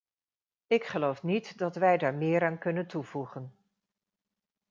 Ik geloof niet dat wij daar meer aan kunnen toevoegen.